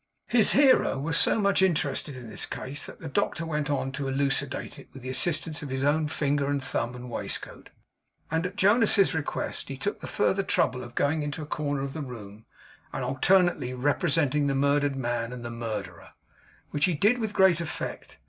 His hearer was so much interested in this case, that the doctor went on to elucidate it with the assistance of his own finger and thumb and waistcoat; and at Jonas's request, he took the further trouble of going into a corner of the room, and alternately representing the murdered man and the murderer; which he did with great effect.